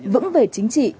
vững về chính trị